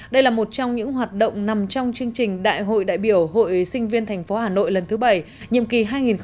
đây là một trong những hoạt động nằm trong chương trình đại hội đại biểu hội sinh viên thành phố hà nội lần thứ bảy nhiệm kỳ hai nghìn hai mươi hai nghìn hai mươi năm